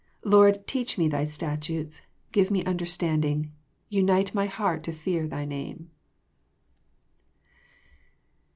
*' Lord, teach me thy statutes : give me understanding: unite my heart to fear Thy name.'